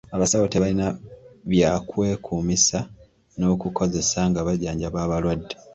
Abasawo tebalina bya kwekumisa n'okukozesa nga bajjanjaba abalwadde.